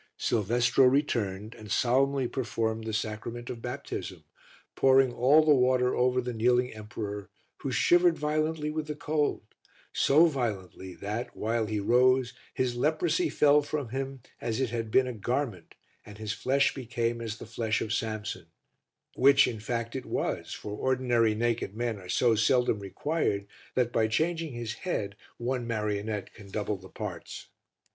Silvestro returned and solemnly performed the sacrament of baptism, pouring all the water over the kneeling emperor who shivered violently with the cold, so violently that, while he rose, his leprosy fell from him as it had been a garment and his flesh became as the flesh of Samson which in fact it was, for ordinary naked men are so seldom required that by changing his head one marionette can double the parts.